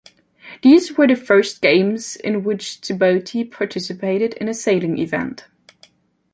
These were the first games in which Djibouti participated in a sailing event.